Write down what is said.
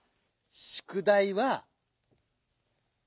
「宿題」は。